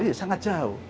iya sangat jauh